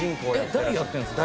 ダイやってるんですか？